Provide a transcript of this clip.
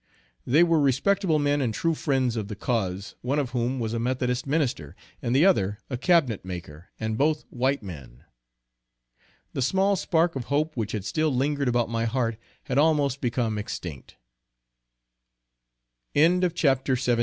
They were respectable men and true friends of the cause, one of whom was a Methodist minister, and the other a cabinet maker, and both white men. The small spark of hope which had still lingered about my heart had almost become extinct. CHAPTER XVIII. _My last effort to recover my family.